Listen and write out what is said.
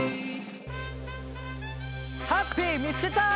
ハッピーみつけた！